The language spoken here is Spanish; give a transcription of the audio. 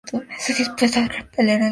Se dispuso a repeler el golpe.